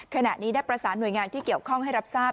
ขณะนี้ได้ประสานหน่วยงานที่เกี่ยวข้องให้รับทราบ